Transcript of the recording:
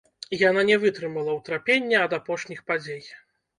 Яна не вытрымала ўтрапення ад апошніх падзей.